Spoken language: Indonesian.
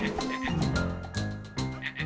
gue mau nanya deh